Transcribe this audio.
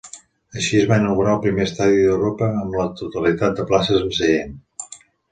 Així es va inaugurar el primer estadi d'Europa amb la totalitat de places amb seient.